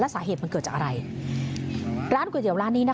สาเหตุมันเกิดจากอะไรร้านก๋วยเตี๋ยวร้านนี้นะคะ